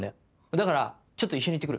だからちょっと一緒に行ってくる。